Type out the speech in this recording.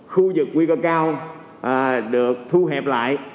khu vực nguy cơ cao được thu hẹp lại